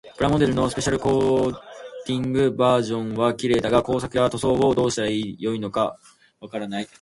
プラモデルのスペシャルコーティングバージョンは綺麗だが、工作や塗装をどうしたらよいのかわからない。